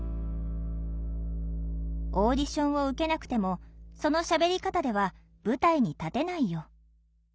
「オーディションを受けなくてもその喋り方では舞台に立てないよ」。